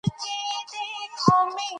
نه هغه خيال، نه هغه زړه، نه هغه زه پاتې يم